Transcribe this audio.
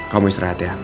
kau mau istirahat ya